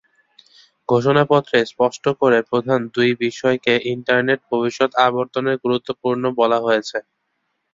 ঘোষণাপত্রে স্পষ্ট করে প্রধান দুটি বিষয়কে ইন্টারনেটের ভবিষ্যৎ আবর্তনে গুরুত্বপূর্ণ বলা হয়েছে।